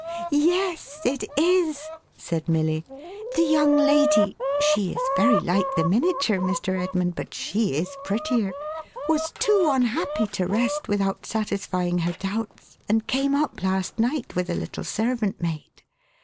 "Yes it is!" said Milly. "The young lady (she is very like the miniature, Mr. Edmund, but she is prettier) was too unhappy to rest without satisfying her doubts, and came up, last night, with a little servant maid.